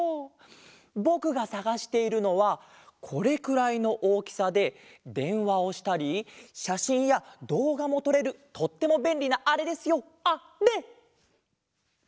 ぼくがさがしているのはこれくらいのおおきさででんわをしたりしゃしんやどうがもとれるとってもべんりなあれですよあれ！